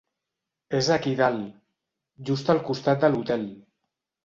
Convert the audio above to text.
És aquí dalt, just al costat de l'hotel.